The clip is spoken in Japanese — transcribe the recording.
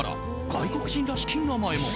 外国人らしき名前も。